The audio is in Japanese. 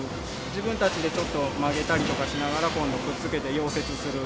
自分たちでちょっと曲げたりとかしながら、今度くっつけて、溶接する。